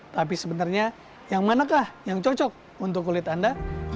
tapi sebenarnya yang manakah yang cocok untuk kulit anda